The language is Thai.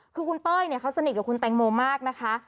คือคุณเป้ยเขาสนิทกับคุณแตงโมมากนะคะ